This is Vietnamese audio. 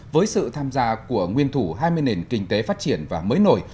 với sự tham gia của nguyên thủ hai mươi nền kinh tế phát triển và mới nổi